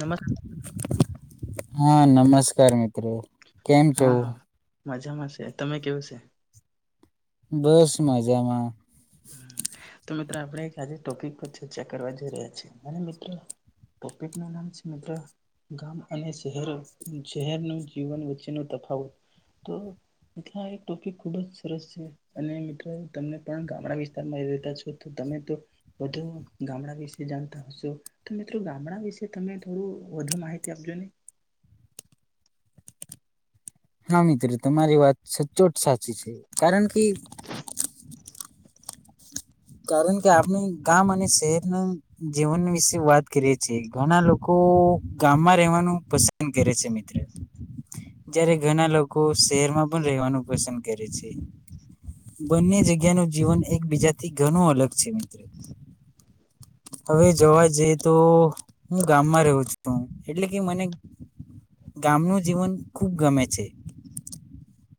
નમસ્ [inaudible] હા નમસ્કાર મિતો. કેમ છૌ. હા હા મજામાં છે તમે કેવું છે. બસ મજામાં. તો મિત્ર આપણે એક આજે ટોપિક પર ચર્ચા કરવા જઈ રહ્યા છેએ અને મિત્ર ટોપિક ન નામ છે મિત્ર ગામ અને શહેર શહેરનું જીવન વચ્ચે ન તફાવત તો એક ટોપિક ખુબ જ સરસ છે અને મિત્ર તમને પણ. ગામ વિસ્તારમાં રહેતા છો તો તમે તો વધુ ગામડા વિશે જાણતા હશો તો મિત્રો ગામડા વિશે તમે થોડું વધુ માહિતી આપજો નને. હા મિત્રો તમારી વાત સચોટ સાચી છે કારણ કે. કારણ કે આપણે ગામ અને શહેરના જીવન વિશે વાત કરીએ છીએ ઘણા લોકો ગામમાં રહેવાનું પસંદ કરે છે મિત્ર જય્યારે ઘણા લોકો શહેરમાં પણ રહેવાનું પસંદ કરે છે બંને જગ્યાનું જીવન એકબીજા. થી ઘણું અલગ છે મિત્રો. હવે જોવા જઈએ તો હું ગામમાં રહું છું એટલે કે મને ગામનું જીવન ખૂબ ગમે છે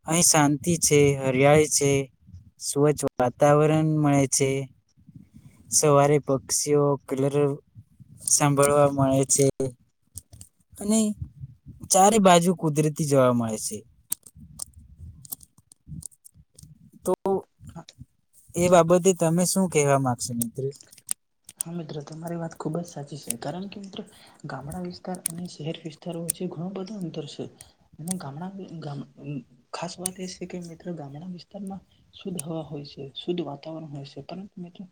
અહીં શાંતિ છે હરિયાળી છે સ્વચ્છ વાતાવરણ મળે છે. સવારે પક્ષીઓ કલર સાંભળવા મળે છે અને ચારે બાજુ કુદરતી જોવા મળે છે. [inaudible] તો. એ બાબતે તમે શું કહેવા માંગશો મિત્ર. હા મ્ર તમારી વાત ખુબ જ સાચી છે કારણ કે મિત્રો ગામડા વિસ્તાર અને શહેર વિસ્તારો વચ્ચે ઘણું બધું અંતર છે અને ગામડા ખાસ વાત એ છે કે મિત્ર ગામડા વિસ્તારમાં શુદ્ધ હવા હોય છે શુદ્ધ વાતાવરણ હોય છે પરંતુ મિત્રો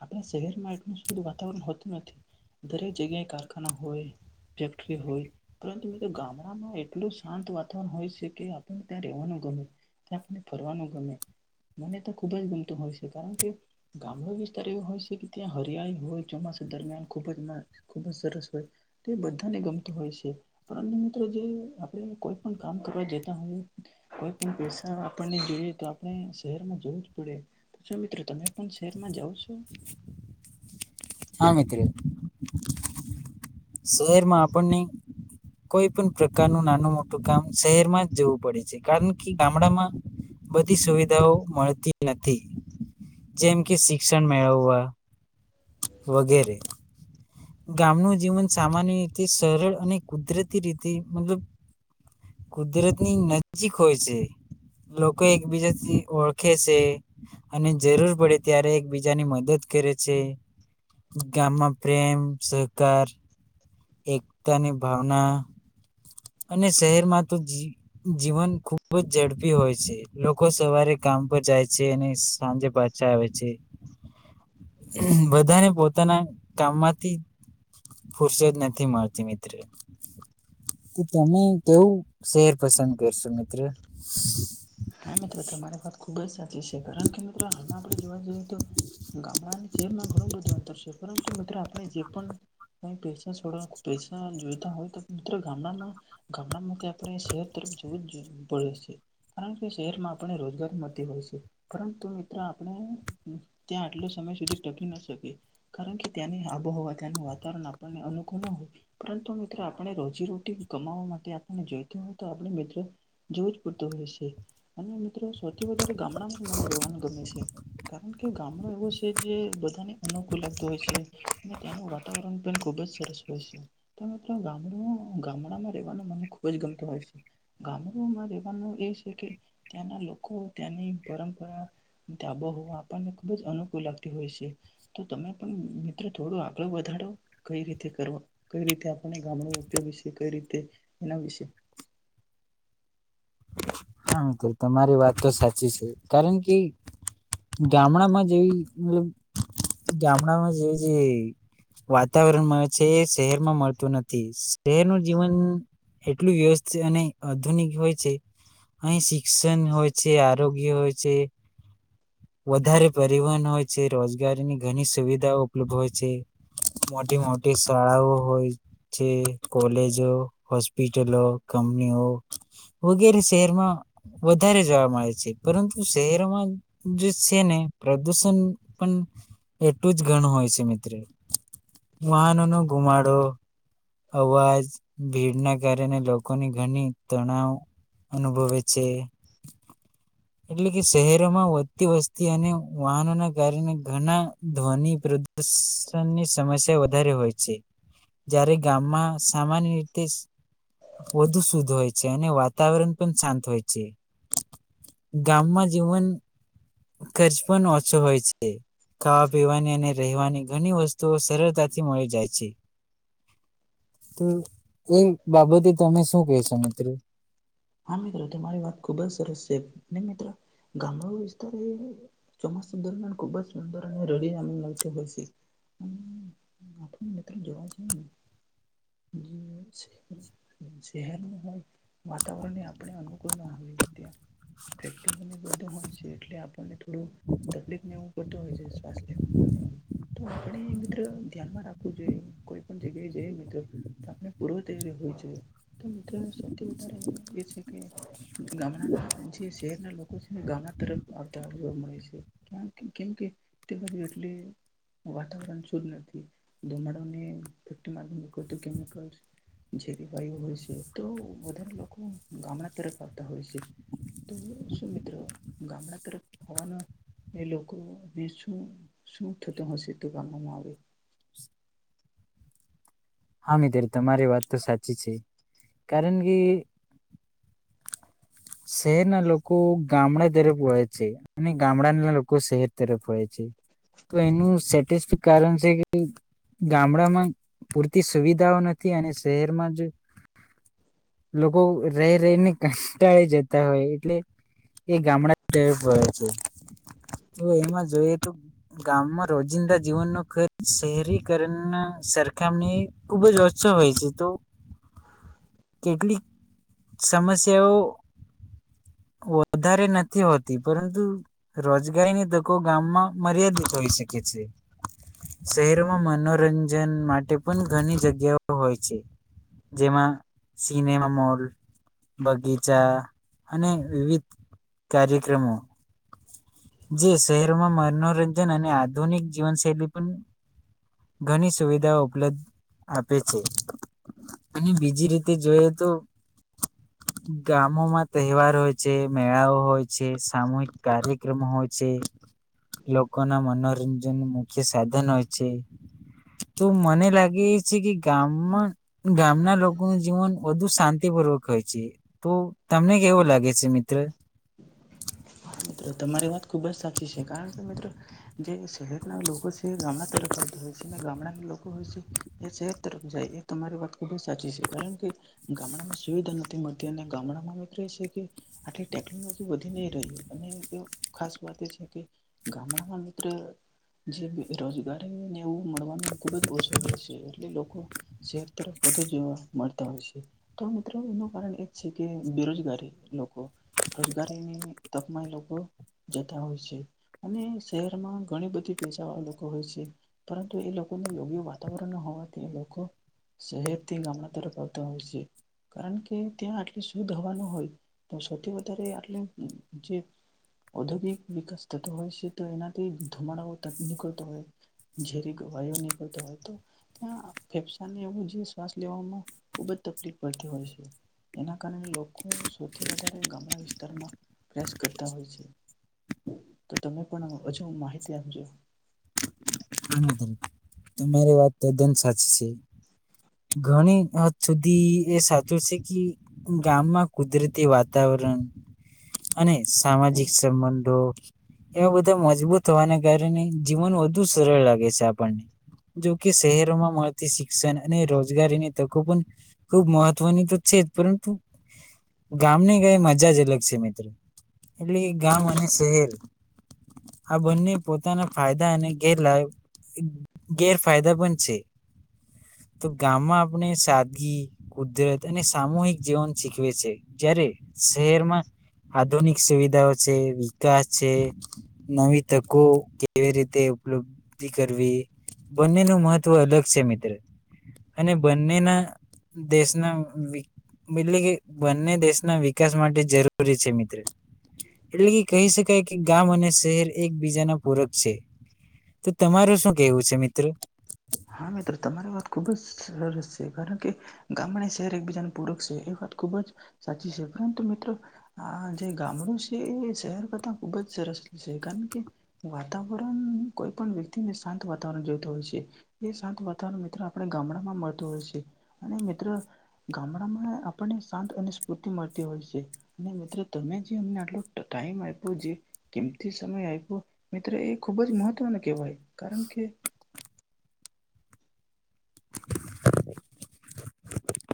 આપણા શહેરમાં. વાતાવરણ હોતું નથી દરેક જગ્યાએ કારખાના હોય ફેક્ટરી હોય પરંતુ મ ગામડામાં એટલું શાંત વાતાવરણ હોય છે કે આપને ત્યાં રેવાનું ગમે ત્યાને ફરવાનું ગમે મને તો ખુબ જ ગમતું હોય છે કારણ કે ગામડો વિસ્તાર એવો હોય છે કે ત્યાં. હરિયાળી હોય ચોમાસા દરમિયાન ખૂબ જ મા ખૂબ જ સરસ હોય તે બધાને ગમતું હોય છે, પરંતુ મિત્ર જે આપણે કોઈ પણ કામ કરવા જતા હોય, કોઈ પણ પૈસા આપણને જોઈએ તો આપણે શહેરમાં જવું જ પડે. તો શું મિત્ર તમે પણ શહેરમાં જાઓ છો? હા મિત્ર, શહેરમાં આપણને કોઈ પણ પ્રકારનું નાનું મોટું કામ શહેર માં જ જવું પડે છે કારણ કે ગામડામાં બધી સુવિધાઓ મળતી નથી. જેમ કે શિક્ષણ મેળવવા વગેરે. ગામનું જીવન સામાન્ય રીતે સરળ અને કુદરતી રીતે મતલબ કુદરતની નજીક હોય છે. લોકો એકબીજાથી ઓળખે છે, અને જરૂર પડે ત્યારે એકબીજાની મદદ કરે છે. ગામમાં પ્રેમ સરકાર એકતા ની ભાવના અને શહેરમાં તો જ જી જીવન ખૂબ જ ઝડપી હોય છે. લોકો સવારે કામ પર જાય છે અને સાંજે પાછા આવે છે, બધાને પોતાના કામમાંથી ફુરસત ન થી મળતી મિત્ર. તો તમે કેવું શહેર પસંદ કરશો મિત્ર? હા મિત્ર તમારી વાત ખુબ જ સાચી છે. કારણ કે મિત્ર હાલમાં આપણે જોવા જઈએ તો ગામડા અને શહેરમાં ઘણું બધું અંતર છે પરંતુ મિત્રો આપણે જે પણ કાઈ પૈસા સોડા પૈસા જોઈતા હોય તો મિત્ર ગામડામાં ગામડામાંથી આપણે શહેર તરફ જવું જ પડે છે. કારણ શહેરમાં આપને રોજગાર મળતી હોય છે પરંતુ મિત્ર આપણે ત્યાં આટલો સમય સુધી ટકી ના શકીએ, કારણ કે ત્યાંની આબોહવા ત્યાંનું વાતાવરણ આપણને અનુકૂળ ન હોય પરંતુ મિત્ર આપણે રોજીરોટી કમાવવા માટે આપને જોઈતો હોય તો આપણે મિત્ર જોવું જ પડતું હોય છે. અને મિ સૌથી વધારે ગામડામાં મને રવાનું ગમે છે. કારણ કે ગામડો એવો છે જે બધાને અનુકૂળ લાગતો હોય છે અને તેનું વાતાવરણ પણ ખૂબજ સરસ હોય છે, તો મિત્તર ગામનું ગામડામા રહેવાનું મને ખૂબજ ગમતું હોય છે. ગામડામાં રહેવાનું એ છે કે ત્યાંના લોકો ત્યાંની પરંપરા આબોહવા આપણને ખૂબ જ અનુકૂળ લાગતી હોય છે, તો તમે પણ મિત્રો થોડું આગળ વધારો કઈ રીતે કરવા કઈ રીતે આપણને ગામડો ઉપયોગ વિશે કઈ રીતે એના વિશે? હા તમારી વાત તો સાચી છે કારણ કે ગામડામાં જેવી મતલબ ગામડામાં જે જે વાતાવરણ આવે છે એ શહેરમાં મળતું નથી. શહેરનું જીવન એટલું વ્યવસ્થિત અને આધુનિક હોય છે અહી શિક્ષણ હોય છે, આરોગ્ય હોય છે, વધારે પરિવહન હોય છે, રોજગારીની ઘણી સુવિધાઓ ઉપલબ્ધ હોય છે, મોટી મોટી શાળાઓ હોય છે, કોલેજો, હોસ્પિટલો, કંપનીઓ વગેરે શહેરમાં વધારે જોવા મળે છે પરંતુ શહેરોમાં જે છે ને પ્રદુષણ પણ એટલું જ ઘણું હોય છે મિત્ર. વાહનો નો ધુમાડો અવાજ ભીડના કારણે લોકોની ઘણી તણાવ અનુભવે છ છે એટલે કે શહેરોમાં વધતી વસ્તી અને વાહનોના કારણે ઘણા ધ્વનિ પ્રદુષણની સમસ્યા વધારે હોય છે. જ્યારે ગામમાં સામાન્ય રીતે વધુ શુદ્ધ હોય છે અને વાતાવરણ પણ શાંત હોય છે ગામમાં જીવન ખર્ચ પણ ઓછો હોય છે ખાવા પીવાની અને રહેવાની ઘણી વસ્તુઓ સરળતાથી મળી જાય છે. તો એ બાબતે તમે શું કહેશો મિત્રો? હા મિત્ર તમારી વાત ખુબ જ સરસ છે, મિત્રો ગામડા વિસ્તાર ચોમાસા દરમિયાન ખુબ જ સુંદર અને રડી ના લ હોય છે [unintelligible] વાતાવરણ આપણે અનુકૂળ ન ત્યા ફેક્ટરીને બધું હોય છે એટલે ને થોડું તકલીફ નેવું વાતા હોય છે શ્વાસ લેવામાં નેવું તો આપણે મિત્ર ધ્યાનમા રાખવું જોઈએ. કોઈ પણ જગ્યાએ જઈએ મિત્ર તો આપણે પૂર્વતૈયારી હોવી જોઈએ, કે મિત્ર સૌથી વધા છે કે ગામડાના જે શહેરના લોકો છે ને ગામડા તરફ આવતા જોવા મળે છે કેમ કે તે બાજુ એટલી વાતાવરણ શુદ્ધ નથી ધુમાડાને ત કેમિકલ જેરી વાયુ હોય છે તો વધારે લોકો ગામડા તરફ આવતા હોય છે. તો શું મિત્રો ગામડા તરફ આવવાનું એ લોકોને શું શું થતું હશે તો ગામમાં આવે? હા મિત્ર તમારી વાત તો સાચી છે કારણ કે શહેરના લોકો ગામડા તરફ વળે છે અને ગામડાના લોકો શહેર તરફ વળે છે. તો એનું સેટ કારણ છે કે ગામડામાં સુવિધાઓ નથી અને શહેરમાં જ લોકો રહી રહીને કંટાળે જતા હોય એટલે એ ગામડા તરફ વળે છે. તો એમાં જોઈએ તો ગામમાં રોજિંદા જીવનનો ખર્ચ શહેરીકરણ સરખામણી ખૂબ જ ઓછો હોય છે તો કેટલીક સમસ્યાઓ વધારે નથી હોતી પરંતુ રોજગારીની તકો ગામમાં મર્યાદિત હોઈ શકે છે. શહેરોમાં મનોરંજન માટે પણ ઘણી જગ્યાઓ હોય છે જેમાં સિનેમા, મોલ બગીચા અને વિવિધ કાર્યક્રમો જે શહેરોમાં મનોરંજન અને આધુનિક જીવનશૈલી પણ ઘણી સુવિધાઓ ઉપલબ્ધ આપે છે અને બીજી રીતે જોઈએ તો ગામોમાં તહેવાર હોય છે મેળાઓ હોય છે સામૂહિક કાર્ય કારયકરમ હોય છે લોકો ના મનોરંજન મુખ્ય સાધન ક્રમો હોય છે તો મને લાગે છે કે ગામમાં ગામના લોકોનું જીવન વધુ શાંતિપૂર્વક હોય છે તો તમને કેવો લાગે છે મિત્ર મિત્રો તમારી વાત ખુબ જ સાચી છે કારણ કે મિત્રો જે શહેરના લોકો છે જે ગામડા તરફ થતા જાય છેને ગામડા લોકો હોય શહેર તરફ જાય એ તમારી વાત ખુબ જ સાચી છે કારણ કે ગામડામાં સુવિધા નથી મળતી અને ગામડામાં મિત્ર એ છે કે આટલી ટેકનોલોજી વધી ન રહી અને એ ખાસ વાત એ છે કે ગામડામાં મિત્ર જે રોજગારીને એવું મળવાનું ખુબ જ ઓછો હોય છે એટલે લોકો શહેર તરફ વધુ જોવા મળતા હોય છે તો મિત્રો એનું કારણ એ છે કે બેરોજગારી લોકો રોજગારીની તકમાં એ લોકો જતા હોય છે અને શહેરમાં ઘણી બધી પેસાાવાળા લોકો હોય છે પરંતુ એ લોકોને યોગ્ય વાતાવરણ ન હોવાથી એ લોકો શહેરથી ગામડા તરફ આવતા હોય છે કારણ કે ત્યાં આટલી શુદ્ધ હવા ન હોય તો સૌથી વધુ અત્યારે આટલુ જે ઔદ્યોગિક વિકાસ થતો હોય છે તો એનાથી ધુમાડાઓ નીકળતો હોય ઝેરી વાયુ નીકળતો હોય તો ત્યાં ફેફસાને એવ જે શ્વાસ લેવામાં ખુબ જ તકલીફ પડતી હોય છે એના કારણે લોકો સૌથી વધારે વિસ્તારમાં પ્રયાસ કરતા હોય છે તો તમે પણ હજુ માહિતી આપજો તમારી વાત તદ્દન સાચી છે ઘણી હદ સુધી એ સાચું છે કે ગામમાં કુદરતી વાતાવરણ અને સામાજિક સંબંધો એમાં બધા મજબૂત હોવાને કારણે જીવન વધુ સરળ લાગે છે આપણને જોકે શહેરોમાં મળતી શિક્ષણ અને રોજગારીની તકો પણ ખુબ મહત્વની તો છે જ પરંતુ ગામને કઈક મજા જ અલગ છે મિત્રો એટલે ગામ અને શહેર આ બંને પોતાના ફાયદા અને ગેરલાભ ગેરફાયદા પણ છે તો ગામમાં આપણે સાદગી કુદરત અને સામૂહિક જીવન શીખવે છે જ્યારે શહેરમાં આધુનિક સુવિધાઓ છે વિકાસ છે નવી તકો કેવી રીતે ઉપલબ્ધ કરવી બંનેનું મહત્ત્વ અલગ છે મિત્ર અને બંનેના દેશના વિ એટલે કે બંને દેશ ના વિકાસ માટે જરૂર કરે છે મિત્ર એટલે કે કહી શકાય કે ગામ અને શહેર એકબીજા ના પૂરક છે તો તમારું શું કેવું છે મિત્ર હા મિત્રો તમારી વાત ખૂબ જ સરસ છે કારણ કે ગામડા શહેર એકબીજાને પૂરક છે એ વાત ખુબ જ સાચી છે પરંતુ મિત્રો આ જે ગામડું છે એ શહેર કરતા ખુબ જ સરસ છે કારણ કે વાતાવરણ કોઈ પણ વ્યક્તિને શાંત વાતાવરણ જોતો હોય છે એ શાંત અટવરણ મિત્ર આપણે ગામડામાં મળતું હોય છે અને મિત્ર ગામડામાં આપણને શાંત અને સ્ફૂર્તિ મળતી હોય છે અને મિત્ર તમે જેમને આટલો ટાઈમ આઇપો જે કિંમતી સમય આઈપો મિત્ર એ ખૂબજ મહત્વનું કહેવાય, કારણકે